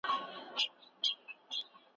موږ پرون په ټولګي کې تجربه وکړه.